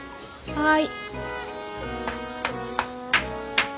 はい。